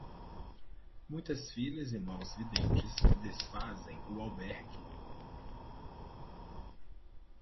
Muitas filhas e maus videntes desfazem o albergue.